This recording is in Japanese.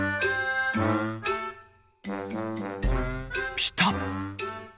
ピタッ。